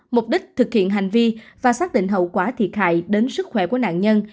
mục đích thực hiện hành vi và xác định hậu quả thiệt hại đến sức khỏe của nạn nhân